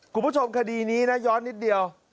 คุณผู้ชมคดีนี้นะย้อนนิดเดียว